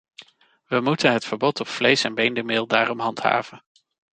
We moeten het verbod op vlees- en beendermeel daarom handhaven.